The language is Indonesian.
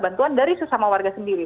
bantuan dari sesama warga sendiri